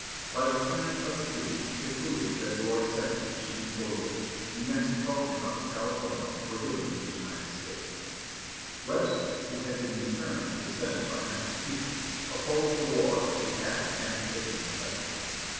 By the terms of the treaty, concluded February 2, 1848, New Mexico and Upper California were given to the United States. Webster, who had been returned to the Senate by Massachusetts, opposed the war as he had the annexation of Texas.